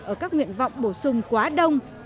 ở các nguyện vọng bổ sung quá đông